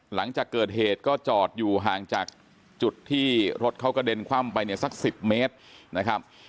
หลังจากเกิดเหตุก็จอดอยู่ห่างจากจุดที่รถเขากระเด็นคว่ำไปเนี่ยสัก๑๐เมตรนะครับ